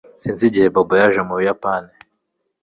sinzi igihe bob yaje mu buyapani